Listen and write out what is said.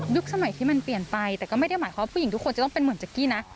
สมัยที่มันเปลี่ยนไปแต่ก็ไม่ได้หมายความว่าผู้หญิงทุกคนจะต้องเป็นเหมือนเจ๊กกี้นะ